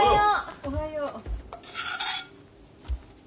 おはよう。